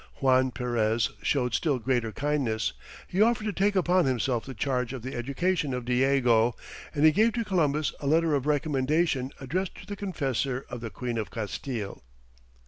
Juan Perez showed still greater kindness; he offered to take upon himself the charge of the education of Diego, and he gave to Columbus a letter of recommendation addressed to the confessor of the Queen of Castille.